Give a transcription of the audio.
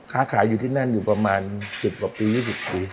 ค้าขายอยู่ที่นั่นอยู่ประมาณ๑๐กว่าปี๒๐ปี